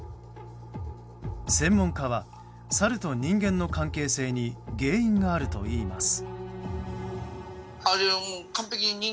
専門家はサルと人間の関係性に原因があるといいます。